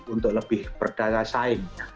untuk lebih berdaya saingnya